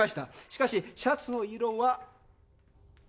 しかしシャツの色は。